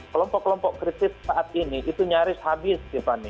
kelompok kelompok kritis saat ini itu nyaris habis tiffany